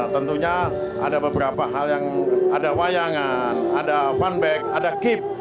tentunya ada beberapa hal yang ada wayangan ada fun back ada kip